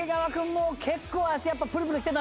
もう結構足プルプルきてたね。